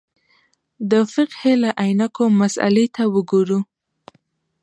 د فقهې له عینکو مسألې ته وګورو.